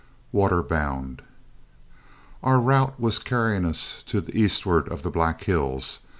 WATER BOUND Our route was carrying us to the eastward of the Black Hills.